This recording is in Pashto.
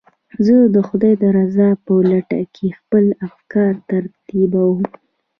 زه د خدای د رضا په لټه کې خپل افکار ترتیبوم.